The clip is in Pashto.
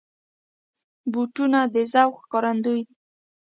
بوټونه د ذوق ښکارندوی دي.